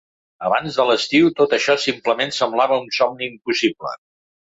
Abans de l’estiu tot això simplement semblava un somni impossible.